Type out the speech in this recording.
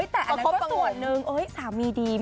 แต่อันนั้นก็ส่วนหนึ่งสามีดี